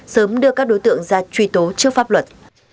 sớm đưa các đối tượng ra truy tố trước pháp luật